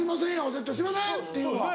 絶対「すいません」って言うわ。